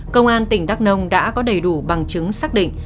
công an tỉnh đắk nông đã có đầy đủ bằng chứng xác định